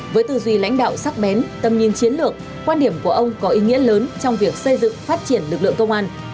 với tư duy lãnh đạo sắc bén tầm nhìn chiến lược quan điểm của ông có ý nghĩa lớn trong việc xây dựng phát triển lực lượng công an